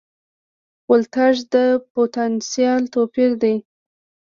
ولتاژ د پوتنسیال توپیر دی.